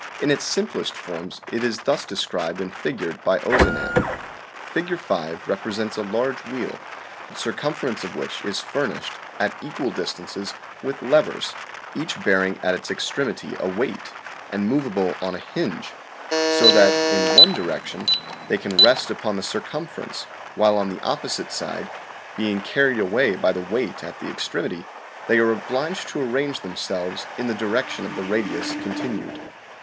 In its simplest forms it is thus described and^figured by Ozanam : PERPETUAL MOTION 43 " Fig. 5 represents a large wheel, the circumference of which is furnished, at equal distances, with levers, each bearing at its extremity a weight, and movable on a hinge so that in one direction they can rest upon the circumfer ence, while on the opposite side, being carried away by the weight at the extremity, they are obliged to arrange them selves in the direction of the radius continued.